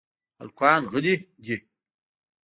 هلکان غلي دپ .